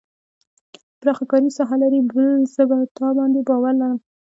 پراخه کاري ساحه لري بل زه په تا باندې باور لرم.